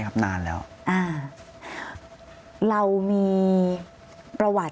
ก็คลิปออกมาแบบนี้เลยว่ามีอาวุธปืนแน่นอน